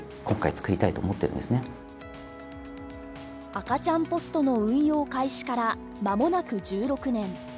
赤ちゃんポストの運用開始から間もなく１６年。